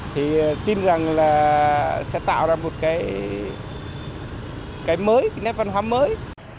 thì tin rằng là sẽ tạo ra một cái mới cái nét văn hóa mới